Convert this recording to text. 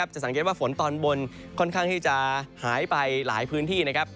จะสังเกตว่าฝนตอนบนค่อนข้างที่จะหายไปหลายพื้นที่นะครับ